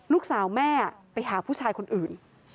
ลูกสาวแม่ไปหาผู้ชายคนอื่น